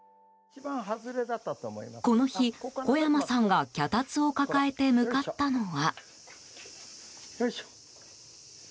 この日、小山さんが脚立を抱えて向かったのは。